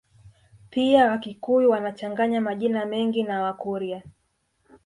Pia Wakikuyu wanachanganya majina mengi na Wakurya